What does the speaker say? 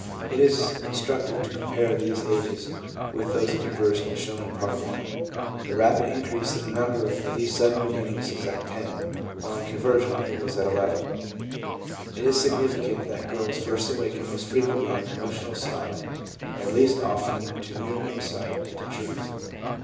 It is instructive to compare these ages with those of conversion as shown in Part I. The rapid increase in the number of these sudden beginnings is at 10, while in conversion it was at 11. It is significant that girls first awaken most frequently on the emotional side and least often to new insight into truth.